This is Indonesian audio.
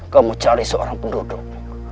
kamu cari seorang penduduk